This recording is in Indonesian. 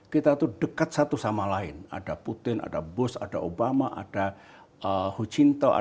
kita itu dekat satu sama lain ada putin ada bush ada obama ada hu jintao ada xi jinping dan semuanya itu akrab saling berkaitan